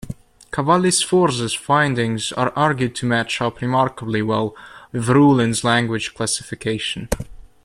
Cavalli-Sforza's findings are argued to match up remarkably well with Ruhlen's language classification.